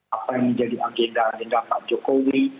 apa yang menjadi agenda agenda pak jokowi